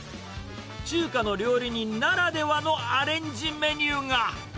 中華の料理人ならではのアレンジメニューが。